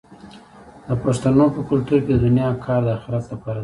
د پښتنو په کلتور کې د دنیا کار د اخرت لپاره دی.